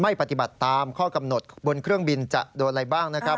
ปฏิบัติตามข้อกำหนดบนเครื่องบินจะโดนอะไรบ้างนะครับ